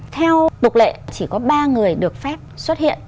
theo bục lệ chỉ có ba người được phép xuất hiện